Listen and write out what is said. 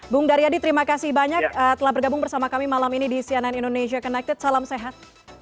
bung daryadi terima kasih banyak telah bergabung bersama kami malam ini di cnn indonesia connected salam sehat